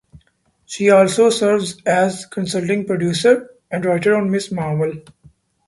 She also serves as consulting producer and writer on "Miss Marvel".